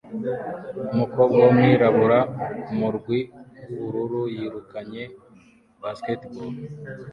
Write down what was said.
Umukobwa wumwirabura kumurwi wubururu yirukanye basketball